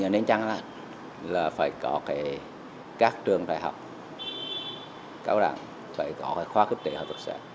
nên chăng là phải có các trường đại học cao đẳng phải có khóa kinh tế hợp tác xã